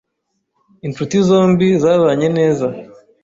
Inshuti zombi zabanye neza.